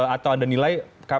atau anda nilai